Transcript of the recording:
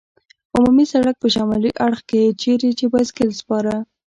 عمومي سړک په شمالي اړخ کې، چېرې چې بایسکل سپاره.